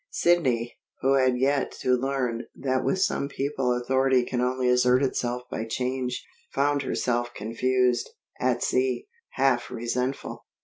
Sidney, who had yet to learn that with some people authority can only assert itself by change, found herself confused, at sea, half resentful.